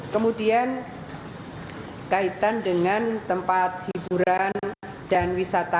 kemudian kaitan dengan tempat hiburan dan wisata